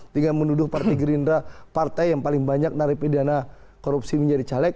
tinggal menuduh partai gerindra partai yang paling banyak naripi dana korupsi menjadi caleg